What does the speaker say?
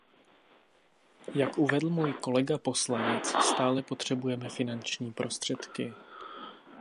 Jak uvedl můj kolega poslanec, stále potřebujeme finanční prostředky.